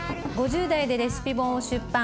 ５０代でレシピ本を出版。